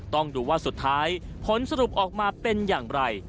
ต้องดูว่าสุดท้ายผลสรุปออกมาเป็นอย่างไร